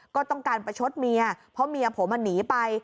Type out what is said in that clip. ก็ต้องการประชดเมียเพราะเมียผมหนีไป